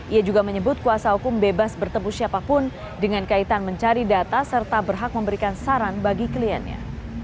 ia juga menyebut kuasa hukum bebas bertemu siapapun dengan kaitan mencari data serta berhak memberikan saran bagi kliennya